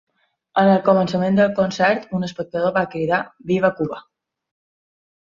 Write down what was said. En el començament del concert, un espectador va cridar ‘viva Cuba!’.